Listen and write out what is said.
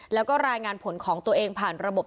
แล้วก็รายงานผลของตัวเองผ่านระบบ